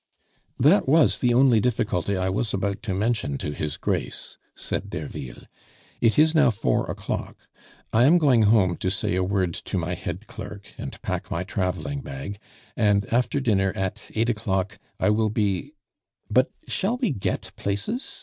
"That was the only difficulty I was about to mention to his Grace," said Derville. "It is now four o'clock. I am going home to say a word to my head clerk, and pack my traveling bag, and after dinner, at eight o'clock, I will be But shall we get places?"